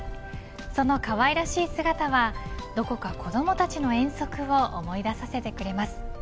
その可愛らしい姿はどこか子どもたちの遠足を思い出させてくれます。